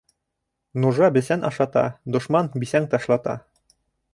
Нужа бесән ашата, дошман бисәң ташлата.